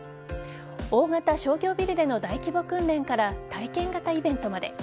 大型商業ビルでの大規模訓練から体験型イベントまで。